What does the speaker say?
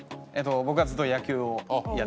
僕はずっと野球をやっていました。